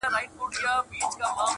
او په ژمي اورېدلې سختي واوري.